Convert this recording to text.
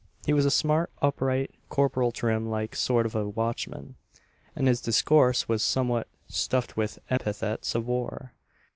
He was a smart, upright, Corporal Trim like sort of a watchman, and his discourse was somewhat "stuffed with epithets of war."